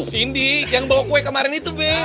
sindi yang bawa kue kemarin itu be